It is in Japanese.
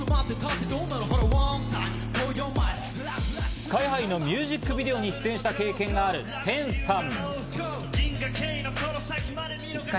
ＳＫＹ−ＨＩのミュージックビデオに出演した経験があるテンさん。